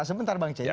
sebentar bang celi